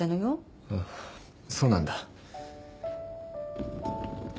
ああそうなんだ。